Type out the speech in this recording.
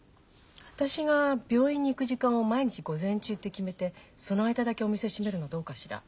私が病院に行く時間を毎日午前中って決めてその間だけお店閉めるのどうかしら？